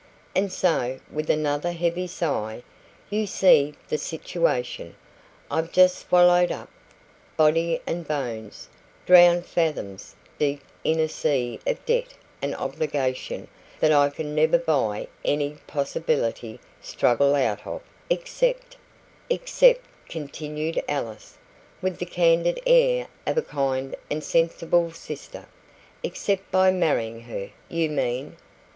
And so' with another heavy sigh 'you see the situation. I'm just swallowed up, body and bones, drowned fathoms deep in a sea of debt and obligation that I can never by any possibility struggle out of, except " "Except," continued Alice, with the candid air of a kind and sensible sister "except by marrying her, you mean?